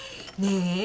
ねえ。